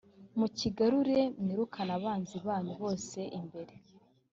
mukigarurire mwirukane abanzi banyu bose imbere